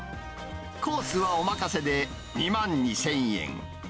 コースはお任せで、２万２０００円。